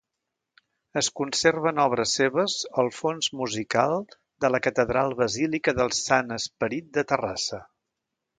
Es conserven obres seves al Fons musical de la catedral-basílica del Sant Esperit de Terrassa.